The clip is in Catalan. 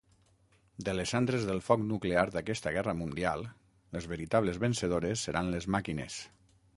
De les cendres del foc nuclear d'aquesta guerra mundial, les veritables vencedores seran les màquines.